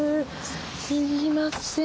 すみません。